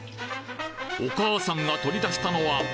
お母さんが取り出したのは？